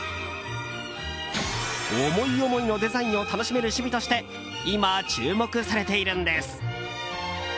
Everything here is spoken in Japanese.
思い思いのデザインを楽しめる趣味として今、注目されているんです。